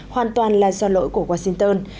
hoàn toàn là do lỗi của washington